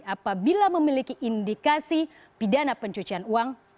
apabila memiliki indikasi pidana pencucian uang